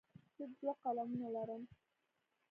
زه دوه قلمونه لرم.